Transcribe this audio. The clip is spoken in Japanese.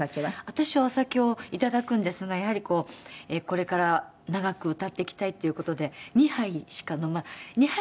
私はお酒を頂くんですがやはりこれから長く歌っていきたいっていう事で２杯しか２杯ぐらいだったら。